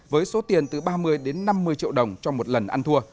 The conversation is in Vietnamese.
với số tiền từ ba mươi đến năm mươi triệu đồng cho một lần ăn thua